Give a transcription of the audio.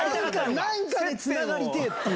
何かでつながりてえっていう。